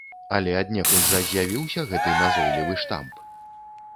Але аднекуль жа з'явіўся гэты назойлівы штамп?